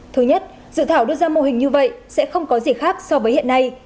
thứ nhất dự thảo đưa ra mô hình như vậy sẽ không có gì khác so với hiện nay